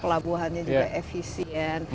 pelabuhannya juga efisien